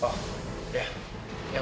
surah sudah terangkan